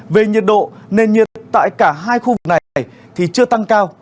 về nhiệt độ nền nhiệt tại cả hai khu vực này chưa tăng cao